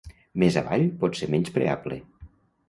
Més avall pot ser menyspreable.